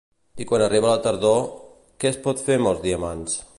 I quan arriba la tardor, què es pot fer amb els diamants?